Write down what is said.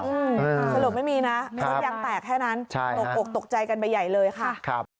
สรุปไม่มีนะรถยังแตกแค่นั้นตกใจกันไปใหญ่เลยค่ะ